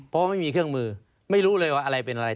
เพราะไม่มีเครื่องมือไม่รู้เลยว่าอะไรเป็นอะไร